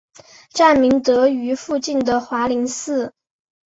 站名得名于附近的华林寺。